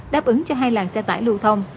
đáp ứng cho hai làng xe tải lưu thông